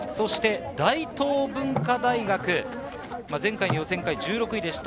大東文化大学、前回予選会１６位でした。